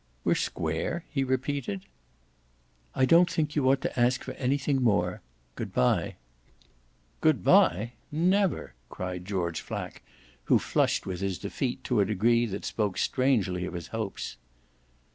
"We're square?" he repeated. "I don't think you ought to ask for anything more. Good bye." "Good bye? Never!" cried George Flack, who flushed with his defeat to a degree that spoke strangely of his hopes.